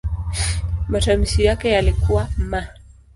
Matamshi yake yalikuwa "m".